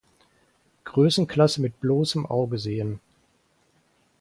Größenklasse mit bloßem Auge sehen.